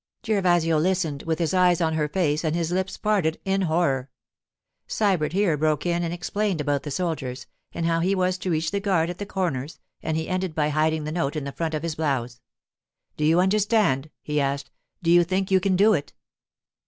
Gervasio listened, with his eyes on her face and his lips parted in horror. Sybert here broke in and explained about the soldiers, and how he was to reach the guard at the corners, and he ended by hiding the note in the front of his blouse. 'Do you understand?' he asked, 'do you think you can do it?